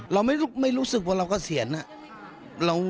เราไม่รู้สึกว่าเรากระเสียนอ่ะ